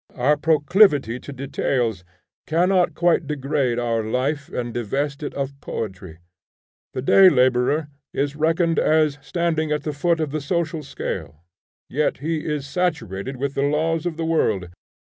Our proclivity to details cannot quite degrade our life and divest it of poetry. The day laborer is reckoned as standing at the foot of the social scale, yet he is saturated with the laws of the world.